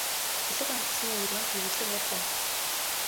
Хөлөг онгоцны өрөөнд төгөлдөр хуур байна.